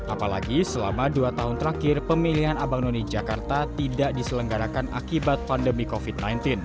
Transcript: apalagi selama dua tahun terakhir pemilihan abang noni jakarta tidak diselenggarakan akibat pandemi covid sembilan belas